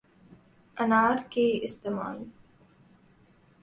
انار کے استعمال